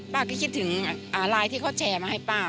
ป้าก็คิดถึงไลน์ที่เขาแชร์มาให้ป้า